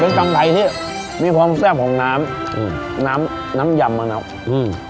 เป็นตำไทยนี่มีความแซ่บของน้ำอืมน้ำน้ำยำมะนาวอืม